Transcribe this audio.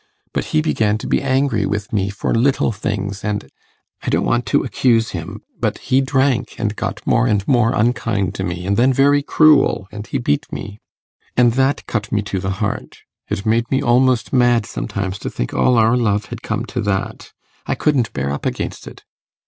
But he began to be angry with me for little things and ... I don't want to accuse him ... but he drank and got more and more unkind to me, and then very cruel, and he beat me. And that cut me to the heart. It made me almost mad sometimes to think all our love had come to that ... I couldn't bear up against it.